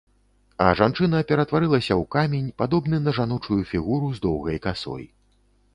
А жанчына ператварылася ў камень, падобны на жаночую фігуру з доўгай касой.